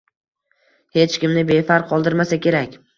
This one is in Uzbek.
xech kimni befarq qoldirmasa kerak.